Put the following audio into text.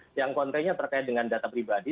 tetapi materinya saling kontradiktif dengan data pribadi